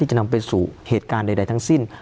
จะนำไปสู่เหตุการณ์ใดทั้งสิ้น